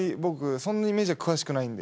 そんなにメジャー詳しくないんで。